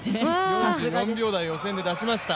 ４４秒台を予選で出しました。